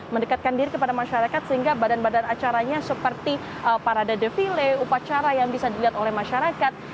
mendekatkan diri kepada masyarakat sehingga badan badan acaranya seperti parade defile upacara yang bisa dilihat oleh masyarakat